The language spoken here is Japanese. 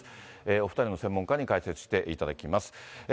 お２人の専門家に解説していただきます。